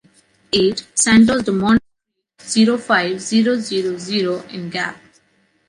Eight, Santos Dumont street, zero five, zero zero zero in Gap